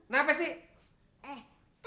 nah apa sih